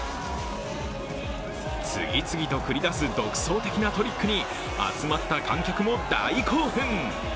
次々と繰り出す独創的なトリックに集まった観客も大興奮。